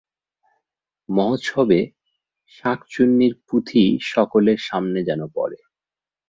মহোৎসবে শাঁকচুন্নীর পুঁথি সকলের সামনে যেন পড়ে।